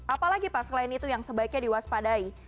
apalagi pak selain itu yang sebaiknya diwaspadai